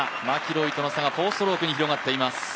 マキロイとの差が４ストロークに広がっています。